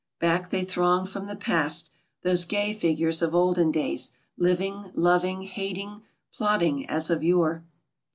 Back they thronged from the past, those gay figures of olden days, living, loving, hating, plot* dng as of yore.